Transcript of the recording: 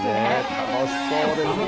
楽しそうですね。